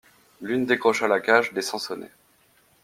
L'une décrocha la cage des sansonnets.